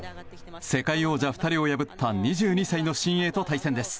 世界王者２人を破った２２歳の新鋭と対戦です。